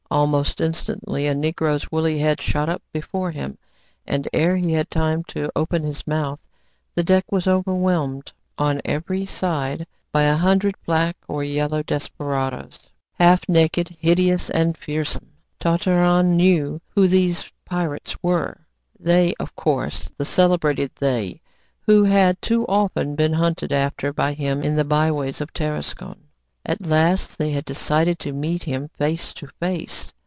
Almost instantly a Negro's woolly head shot up before him, and, ere he had time to open his mouth, the deck was overwhelmed on every side by a hundred black or yellow desperadoes, half naked, hideous, and fearsome. Tartarin knew who these pirates were "they," of course, the celebrated "they" who had too often been hunted after by him in the by ways of Tarascon. At last they had decided to meet him face to face.